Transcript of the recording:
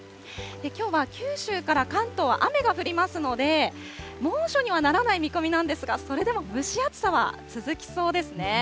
きょうは九州から関東、雨が降りますので、猛暑にはならない見込みなんですが、それでも蒸し暑さは続きそうですね。